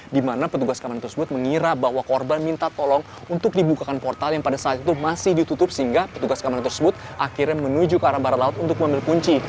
di mana petugas keamanan tersebut mengira bahwa korban minta tolong untuk dibukakan portal yang pada saat itu masih ditutup sehingga petugas kamar tersebut akhirnya menuju ke arah barat laut untuk mengambil kunci